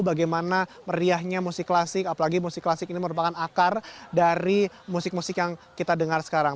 bagaimana meriahnya musik klasik apalagi musik klasik ini merupakan akar dari musik musik yang kita dengar sekarang